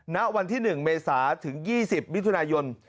ณวันที่๑เมษาถึง๒๐มิถุนายน